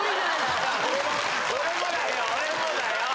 俺もだよ俺もだよ。